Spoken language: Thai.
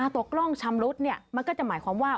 ตกร่องชำรุดเนี่ยมันก็จะหมายความว่า